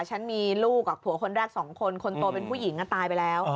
ฉันมีลูกกับผัวคนแรก๒คนคนโตเป็นผู้หญิงตายไปแล้ว